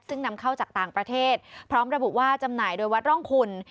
ซึ่งนำเข้าจากต่างประเทศพร้อมระบุว่าจำหน่ายโดยวัดร่องคุณ